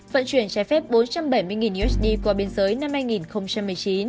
vận chuyển trái phép bốn trăm bảy mươi usd qua biên giới năm hai nghìn một mươi chín